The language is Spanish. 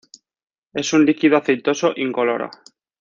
Es un líquido aceitoso incoloro.